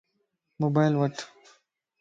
موبائل وٺ